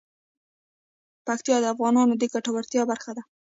پکتیا د افغانانو د ګټورتیا برخه ده.